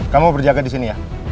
kamu berjaga disini ya